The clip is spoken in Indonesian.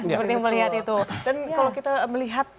dan kalau kita ngelihat